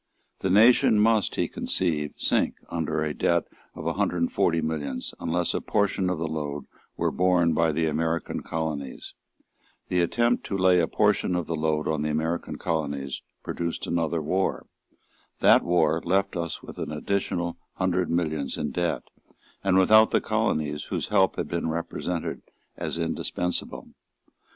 The nation must, he conceived, sink under a debt of a hundred and forty millions, unless a portion of the load were borne by the American colonies. The attempt to lay a portion of the load on the American colonies produced another war. That war left us with an additional hundred millions of debt, and without the colonies whose help had been represented as indispensable.